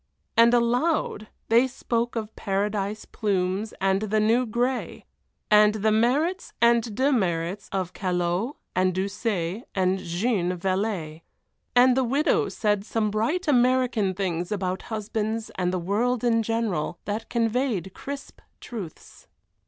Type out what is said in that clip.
And aloud they spoke of paradise plumes and the new gray, and the merits and demerits of Callot and Doucet and Jeanne Valez. And the widow said some bright American things about husbands and the world in general that conveyed crisp truths.